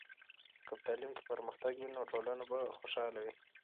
که په تعلیم کې پرمختګ وي، نو ټولنه به خوشحاله وي.